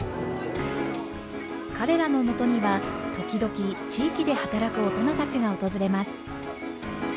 彼らのもとには時々地域で働く大人たちが訪れます。